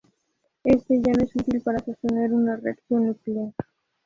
Este ya no es útil para sostener una reacción nuclear.